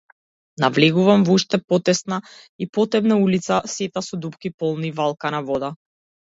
Навлегувам во уште потесна и потемна улица, сета со дупки полни валкана вода.